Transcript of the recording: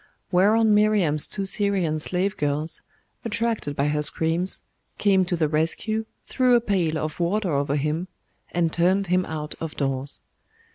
Whereon Miriam's two Syrian slave girls, attracted by her screams, came to the rescue, threw a pail of water over him, and turned him out of doors.